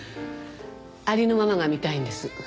ありのままが見たいんです。